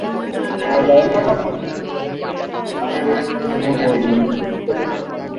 এখানে আমার ছেলে রয়েছে।